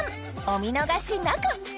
お見逃しなく！